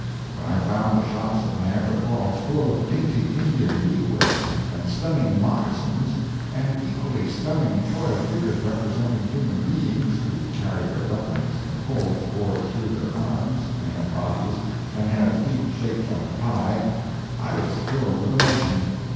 When I found the shops at Niagara Falls full of dainty Indian beadwork, and stunning moccasins, and equally stunning toy figures representing human beings who carried their weapons in holes bored through their arms and bodies, and had feet shaped like a pie, I was filled with emotion.